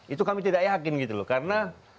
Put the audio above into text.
itu kami tidak yakin gitu loh karena